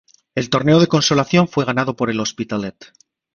El Torneo de Consolación fue ganado por el Hospitalet.